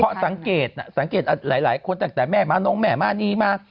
เพราะสังเกตสังเกตหลายคนตั้งแต่แม่ม้านงแม่ม้านีมา